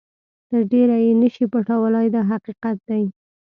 تر ډېره یې نه شئ پټولای دا حقیقت دی.